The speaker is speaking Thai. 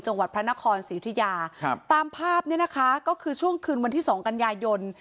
จังหวัดพระนครศรีอุทิยาครับตามภาพเนี่ยนะคะก็คือช่วงคืนวันที่สองกันยายน